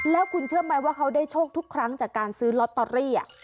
แล้วคุณเชื่อไหมว่าเขาได้โชคทุกครั้งจากการซื้อลอตเตอรี่